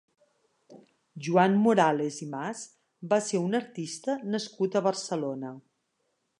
Joan Morales i Mas va ser un artista nascut a Barcelona.